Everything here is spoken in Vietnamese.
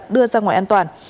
đưa ra ngoài an toàn